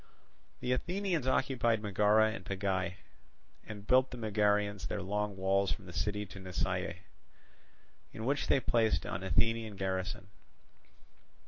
The Athenians occupied Megara and Pegae, and built the Megarians their long walls from the city to Nisaea, in which they placed an Athenian garrison.